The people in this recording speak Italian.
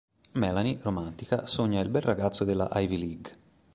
Melanie, romantica, sogna il bel ragazzo della Ivy League.